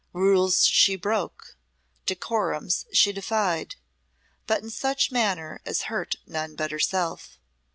Rules she broke, decorums she defied, but in such manner as hurt none but herself.